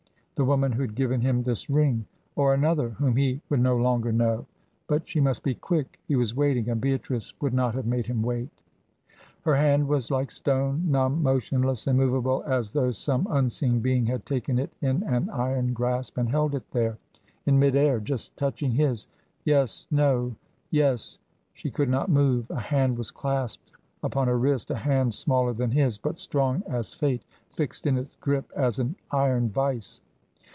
The woman who had given him this ring? Or another, whom he would no longer know? But she must be quick. He was waiting and Beatrice would not have made him wait. Her hand was like stone, numb, motionless, immovable, as though some unseen being had taken it in an iron grasp and held it there, in mid air, just touching his. Yes no yes she could not move a hand was clasped upon her wrist, a hand smaller than his, but strong as fate, fixed in its grip as an iron vice.